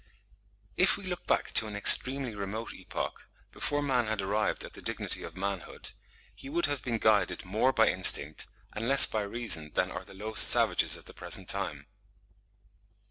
If we look back to an extremely remote epoch, before man had arrived at the dignity of manhood, he would have been guided more by instinct and less by reason than are the lowest savages at the present time.